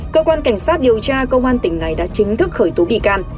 cơ quan cảnh sát điều tra công an tỉnh này đã chính thức khởi tố bị can